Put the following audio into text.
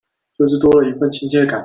就是多了一分親切感